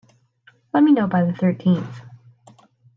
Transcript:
Let me know by the thirteenth.